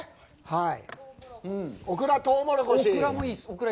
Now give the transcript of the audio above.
はい！